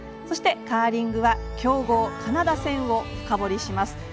そして、カーリングは強豪カナダ戦を深掘りします。